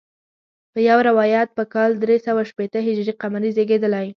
په یو روایت په کال درې سوه شپېته هجري قمري زیږېدلی.